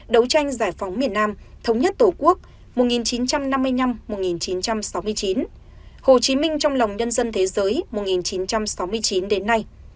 đấu tranh giải phóng miền nam thống nhất tổ quốc một nghìn chín trăm năm mươi năm một nghìn chín trăm sáu mươi chín hồ chí minh trong lòng nhân dân thế giới một nghìn chín trăm sáu mươi chín đến nay